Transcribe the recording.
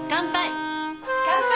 乾杯！